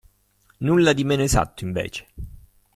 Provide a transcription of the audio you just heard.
Nulla di meno esatto, invece!